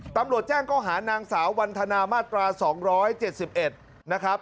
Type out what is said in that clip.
ตำรวจแจ้งข้อหานางสาววันธนามาตรา๒๗๑นะครับ